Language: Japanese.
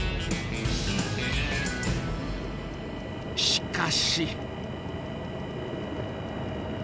しかし。